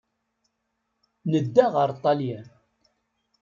Nedda ɣer Ṭṭalyan.